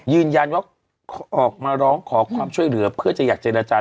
ยืนยันว่าออกมาร้องขอความช่วยเหลือเพื่อจะอยากเจรจา